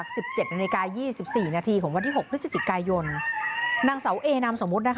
สิบเจ็ดนาฬิกายี่สิบสี่นาทีของวันที่หกพฤศจิกายนนางเสาเอนามสมมุตินะคะ